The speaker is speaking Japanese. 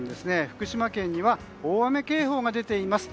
福島県には大雨警報が出ています。